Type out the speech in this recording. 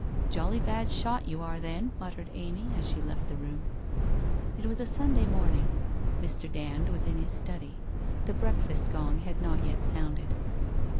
' Jolly bad shot you are, then/ muttered Amy as she left the room. It was a Sunday morning. Mr. Dand was in his study. The breakfast gong had not yet sounded.